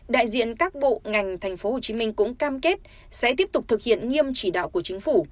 đại diện các bộ ngành tp hcm cũng cam kết sẽ tiếp tục thực hiện nghiêm chỉ đạo của chính phủ